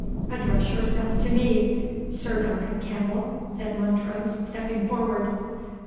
"Address yourself to me, Sir Duncan Campbell," said Montrose, stepping forward.